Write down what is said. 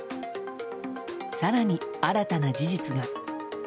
更に、新たな事実が。